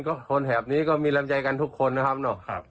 ก็คนแถบนี้ก็มีลำใจกันทุกคนนะครับเนาะ